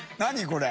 これ。